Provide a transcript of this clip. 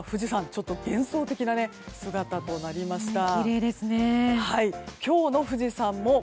ちょっと幻想的な姿となりました。